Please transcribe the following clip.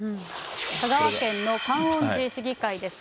香川県の観音寺市議会です。